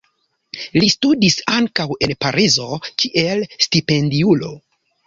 Li studis ankaŭ en Parizo kiel stipendiulo.